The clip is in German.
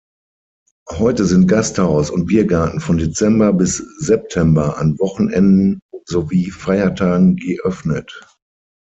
Heute sind Gasthaus und Biergarten von Dezember bis September an Wochenenden sowie Feiertagen geöffnet.